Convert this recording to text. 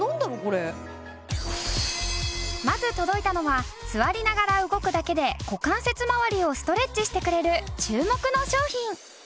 まず届いたのは座りながら動くだけで股関節まわりをストレッチしてくれる注目の商品。